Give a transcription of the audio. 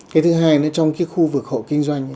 cái thứ hai nữa trong cái khu vực hộ kinh doanh